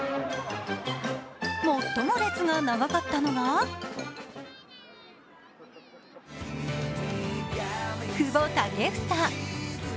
最も列が長かったのが久保建英。